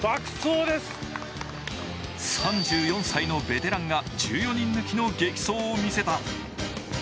３４歳のベテランが１４人抜きの激走を見せた。